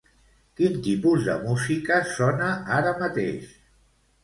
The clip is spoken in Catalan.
Quin tipus de música sona ara mateix?